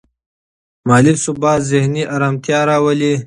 مالي ثبات ذهني ارامتیا راولي.